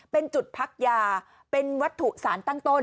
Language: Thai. เป็นจุดพักยาเป็นวัตถุสารตั้งต้น